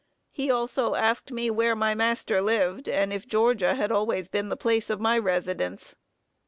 He also asked me where my master lived, and if Georgia had always been the place of my residence.